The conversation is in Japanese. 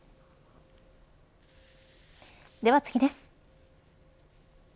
では次です。